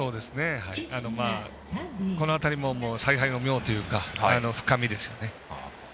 まあ、この辺りも采配の妙というか深みですよね。